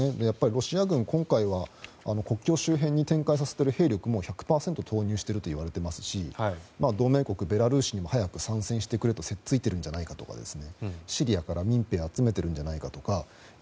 やっぱりロシア軍、今回は国境周辺に展開させている兵力も１００％投入しているといわれていますし同盟国のベラルーシに早く参戦してくれとせっついているんじゃないかとかシリアから民兵を集めているんじゃないかとか。